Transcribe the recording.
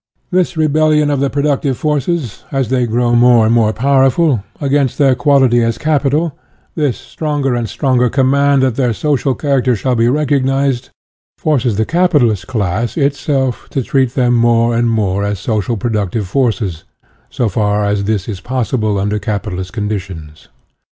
This rebellion of the productive forces, as they grow more and more powerful, against their quality as capital this stronger and stronger command that their social character shall be recognized, forces the capitalist class itself to treat them more and more as social productive forces, so far as this is possible under capitalist condi tions.